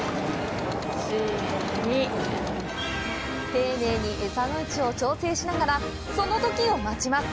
丁寧に、餌の位置を調整しながらその時を待ちます！